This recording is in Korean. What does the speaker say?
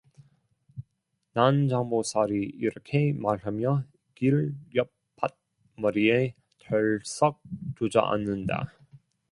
난장보살이 이렇게 말하며 길 옆 밭머리에 털썩 주저앉는다.